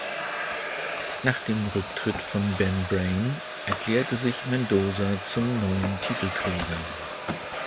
Nach dem Rücktritt von Ben Brain erklärte sich Mendoza zum neuen Titelträger.